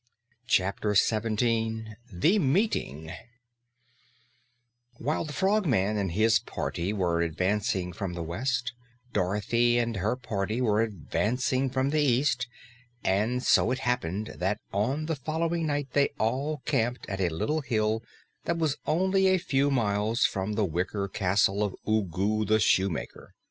CHAPTER 17 THE MEETING While the Frogman and his party were advancing from the west, Dorothy and her party were advancing from the east, and so it happened that on the following night they all camped at a little hill that was only a few miles from the wicker castle of Ugu the Shoemaker.